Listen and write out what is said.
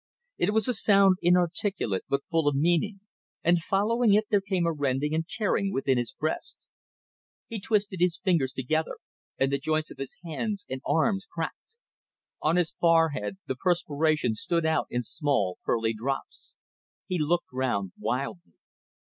It was a sound inarticulate but full of meaning; and following it there came a rending and tearing within his breast. He twisted his fingers together, and the joints of his hands and arms cracked. On his forehead the perspiration stood out in small pearly drops. He looked round wildly.